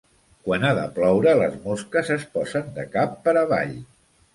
Quan ha de ploure, les mosques es posen de cap per avall.